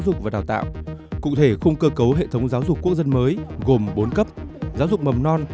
giáo dục và đào tạo cụ thể khung cơ cấu hệ thống giáo dục quốc dân mới gồm bốn cấp giáo dục mầm non